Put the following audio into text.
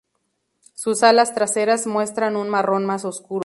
Sus alas traseras muestran un marrón más oscuro.